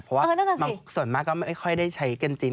เพราะว่าบางส่วนมากก็ไม่ค่อยได้ใช้กันจริง